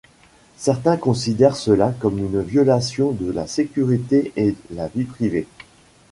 Certains considèrent cela comme une violation de la sécurité et la vie privée.